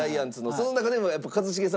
その中でも一茂さん